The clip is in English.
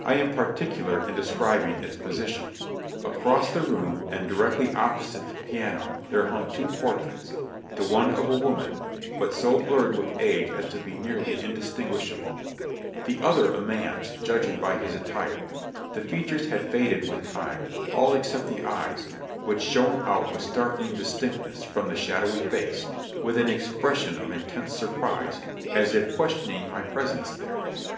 I am particular in describing its position. Across the room and directly opposite the piano there hung two portraits, the one of a woman, but so blurred with age as to be nearly indis tinguishable; the other a man's, judging from his attire; the features had faded with time, all except the eyes, which shone out with startling distinctness from the shadowy face, with an expres sion of intense surprise, as if questioning my presence there.